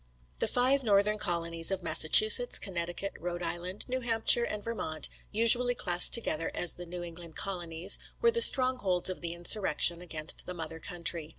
The five northern colonies of Massachusetts, Connecticut, Rhode Island, New Hampshire, and Vermont, usually classed together as the New England colonies, were the strongholds of the insurrection against the mother country.